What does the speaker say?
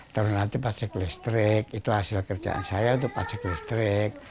terus nanti pajak listrik itu hasil kerjaan saya untuk pajak listrik